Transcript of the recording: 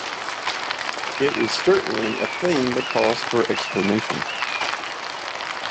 It is certainly a thing that calls for explanation.